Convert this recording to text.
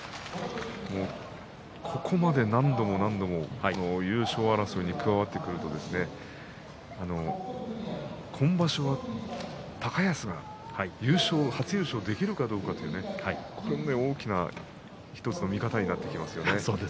ここまで何度も何度も優勝争いに加わってくると今場所は高安が優勝、初優勝できるかどうかというこれも大きな１つの見方になってきますよね。